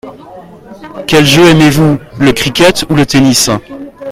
Quel jeu aimez-vous, le cricket ou le tennis ?